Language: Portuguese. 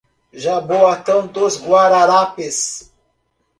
Jaboatão dos Guararapes